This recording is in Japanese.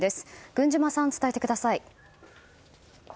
郡嶌さん、伝えてください。